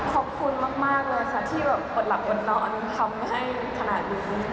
ขอบคุณมากเลยค่ะที่แบบอดหลับอดนอนทำให้ขนาดนี้